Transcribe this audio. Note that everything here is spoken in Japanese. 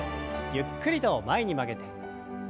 ゆっくりと前に曲げて。